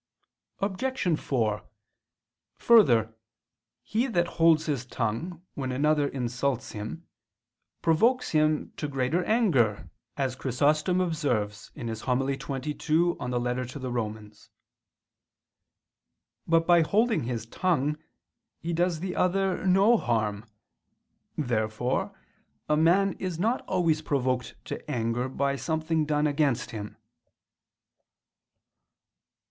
Obj. 4: Further, he that holds his tongue when another insults him, provokes him to greater anger, as Chrysostom observes (Hom. xxii, in Ep. ad Rom.). But by holding his tongue he does the other no harm. Therefore a man is not always provoked to anger by something done against him.